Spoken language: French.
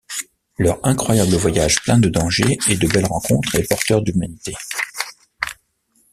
Leur incroyable voyage plein de dangers et de belles rencontres est porteur d'humanité.